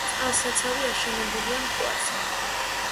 წყალსაცავი აშენებულია მტკვარზე.